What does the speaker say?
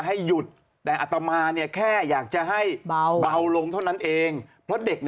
ให้หยุดแต่อัตมาเนี่ยแค่อยากจะให้เบาลงเท่านั้นเองเพราะเด็ก